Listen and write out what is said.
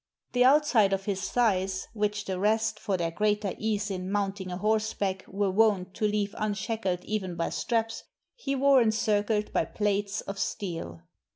The outside of his thighs, which the rest, for their greater ease in moimting a horseback, were wont to leave unshackled even by straps, he wore encir cled by plates of steel.